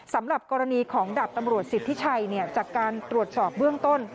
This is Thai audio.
สำหรับกรณีของดาบตำรวจสิทธิชัยจากการตรวจสอบเบื้องต้น